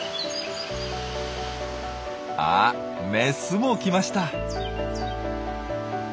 あっメスも来ました。